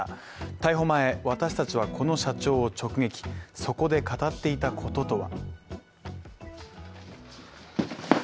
逮捕前、私達はこの社長を直撃、そこで語っていたこととは。